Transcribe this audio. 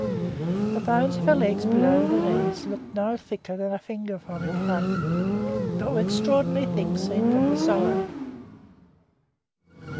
The bones of her legs below the knees looked no thicker than a finger from in front, but were extraordinarily thick seen from the side.